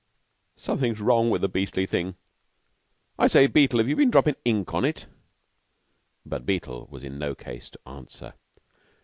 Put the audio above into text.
"Something's wrong with the beastly thing. I say, Beetle, have you been droppin' ink on it?" But Beetle was in no case to answer.